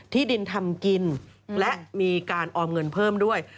ที่ดินทำกินและมีการออมเงินเพิ่มด้วย